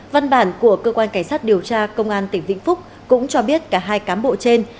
văn bản của cơ quan cảnh sát điều tra công an tỉnh vĩnh phúc cũng cho biết cả hai cán bộ trên